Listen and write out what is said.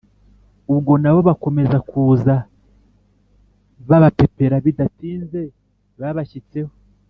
ubwo nabo bakomeza kuza babapepera bidatinze babashyitseho